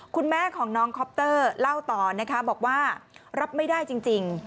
คุณแม่ของน้องคอปเตอร์เล่าต่อนะคะบอกว่ารับไม่ได้จริง